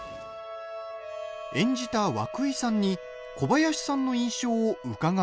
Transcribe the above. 演じた和久井さんに小林さんの印象を伺うと。